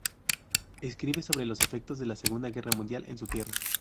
Escribe sobre los efectos de la Segunda guerra mundial en su tierra.